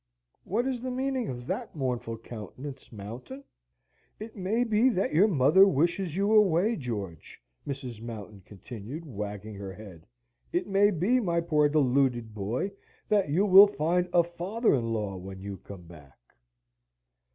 "What is the meaning of that mournful countenance, Mountain?" "It may be that your mother wishes you away, George!" Mrs. Mountain continued, wagging her head. "It may be, my poor deluded boy, that you will find a father in law when you come back."